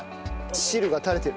汁が垂れてる。